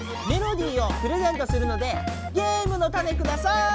メロディーをプレゼントするのでゲームのタネください！